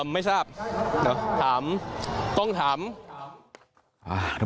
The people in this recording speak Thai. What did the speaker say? เมียน้อยจะเยอะไหม